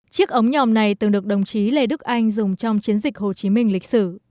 chiếc ống nhòm này từng được đồng chí lê đức anh dùng trong chiến dịch hồ chí minh lịch sử